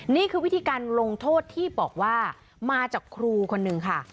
นี่คือวิธีการลงโทษที่บอกว่ามาจากครูคนนึงค่ะ